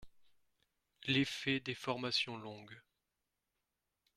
L’effet des formations longues.